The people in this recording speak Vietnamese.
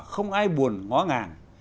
hai buồn ngó ngàng